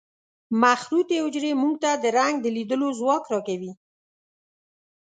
مخروطي حجرې موږ ته د رنګ د لیدلو ځواک را کوي.